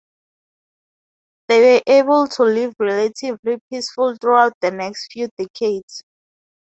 They were able to live relatively peacefully throughout the next few decades.